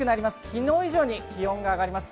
昨日以上に気温が上がります。